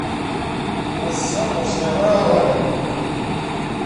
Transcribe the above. Ass-a, ur sɛiɣ ara aɣanen.